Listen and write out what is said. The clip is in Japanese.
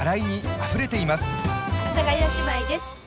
阿佐ヶ谷姉妹です。